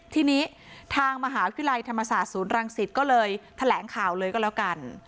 ทีนี้ทางมหาวิทยาลัยธรรมศาสตร์ศูนย์รังสิตก็เลยแถลงข่าวเลยก็แล้วกัน